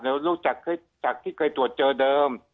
แล้วรูปจากที่เคยตรวจเจอเดิม